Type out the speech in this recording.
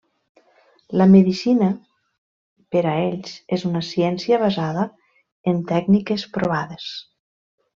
La medicina per a ells és una ciència basada en tècniques provades.